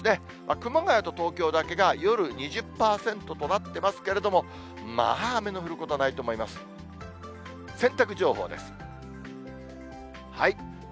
熊谷と東京だけが夜２０％となってますけれども、まあ、雨の降ることはないと思います。